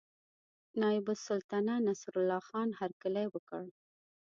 نایب السلطنته نصرالله خان هرکلی وکړ.